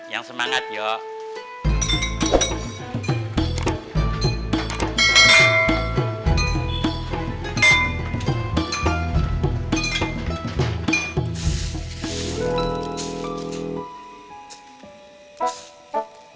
yang semangat yuk